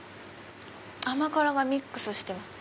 甘辛がミックスしてます。